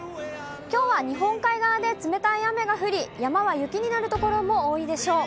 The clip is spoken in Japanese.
きょうは日本海側で冷たい雨が降り、山は雪になる所も多いでしょう。